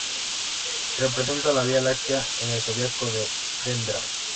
Representa a la Vía Láctea en el zodiaco de Dendera.